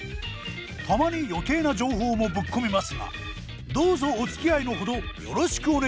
たまに余計な情報もぶっ込みますがどうぞおつきあいのほどよろしくお願いいたします。